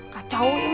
kacau ini mah